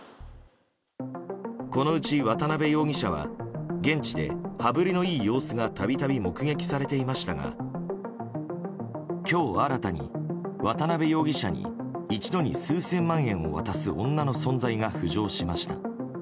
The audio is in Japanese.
このうち渡辺容疑者は現地で、羽振りのいい様子が度々、目撃されていましたが今日、新たに渡辺容疑者に一度に数千万円渡す女の存在が浮上しました。